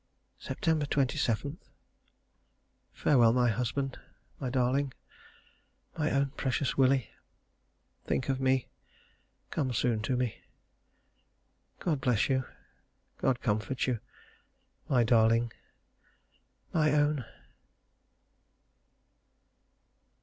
Sept. 27. Farewell my husband my darling my own precious Willie. Think of me come soon to me. God bless you God comfort you my darling my own.